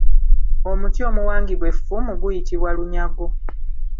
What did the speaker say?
Omuti omuwangibwa effumu guyitibwa lunyago.